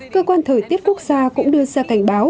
cơ quan thời tiết quốc gia cũng đưa ra cảnh báo